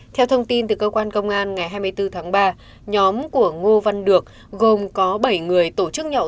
theo thông tin từ cơ quan công an ngày hai mươi bốn tháng ba nhóm của ngô văn được gồm có bảy người tổ chức nhậu